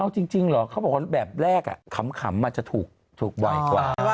เอ้าจริงเขาบอกว่าแบบแรกคำมันจะถูกถูกบ่อยกว่า